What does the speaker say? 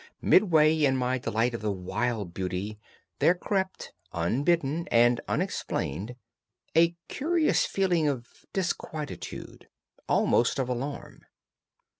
Midway in my delight of the wild beauty, there crept, unbidden and unexplained, a curious feeling of disquietude, almost of alarm.